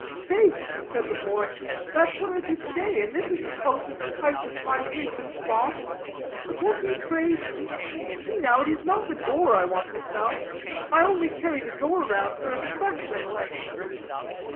"Faith," said the boy, "that's what I did to day, and this is the coat that the price of my wisdom bought. But won't you trade? See, now, it is not the door I want to sell; I only carry the door round for a specimen, like.